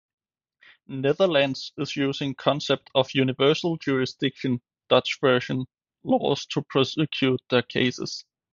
Netherlands is using concept of universal jurisdiction (Dutch version) laws to prosecute their cases.